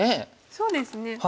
そうですね。